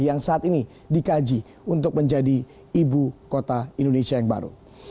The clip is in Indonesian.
yang saat ini dikaji untuk menjadi ibu kota indonesia yang baru